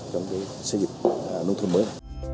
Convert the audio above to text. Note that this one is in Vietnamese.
trong cái xây dựng nông thôn mới